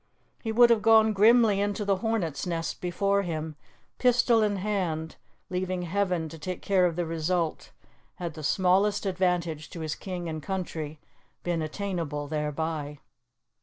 He would have gone grimly into the hornet's nest before him, pistol in hand, leaving heaven to take care of the result, had the smallest advantage to his king and country been attainable thereby.